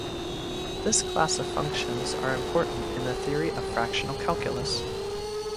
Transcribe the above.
This class of functions are important in the theory of the fractional calculus.